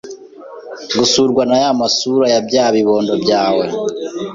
Gusurwa naya masura Ya bya bibondo byawe